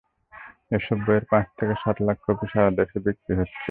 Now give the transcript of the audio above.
এসব বইয়ের পাঁচ থেকে সাত লাখ কপি সারা দেশে বিক্রি হচ্ছে।